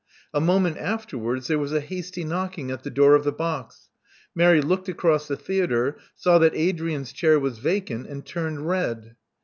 A moment afterwards, there was a hasty knocking at the door of the box. Mary looked across the theatre; saw that Adrian's chair was vacant; and turned red.